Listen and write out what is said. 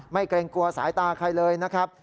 เกรงกลัวสายตาใครเลยนะครับ